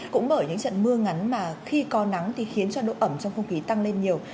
cũng bởi những trận mưa ngắn mà khi có nắng thì khiến cho độ ẩm trong không khí tăng lên nhiều